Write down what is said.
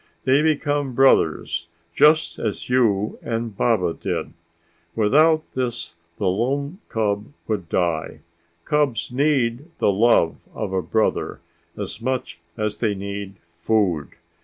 They become brothers just as you and Baba did. Without this the lone cub would die. Cubs need the love of a brother as much as they need food.